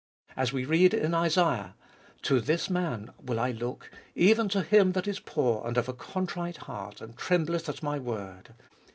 As we read in Isaiah, " To this man will I look, even to him that is poor and of a con trite heart, and trembleth at My word."